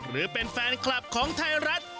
หรือเป็นแฟนคลับของไทยรัฐ